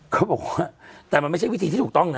เขาบอกว่าแต่มันไม่ใช่วิธีที่ถูกต้องนะ